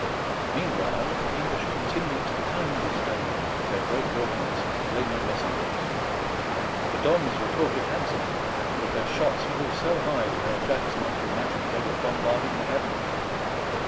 Meanwhile, the EngKsh continued to pound the Spaniard with their great ordnance and flaming missiles. The Dons retorted handsomely, but their shots flew so high that our Jacks might have imagined they were bombarding the heavens.